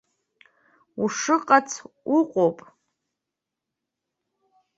Ушыҟац уҟоуп.